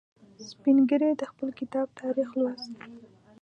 سپین ږیری د خپل کتاب تاریخ لوست.